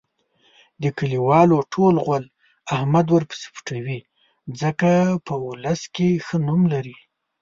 د کلیوالو ټول غول احمد ورپسې پټوي. ځکه په اولس کې ښه نوم لري.